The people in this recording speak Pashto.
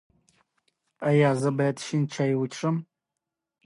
ایا زه باید شین چای وڅښم؟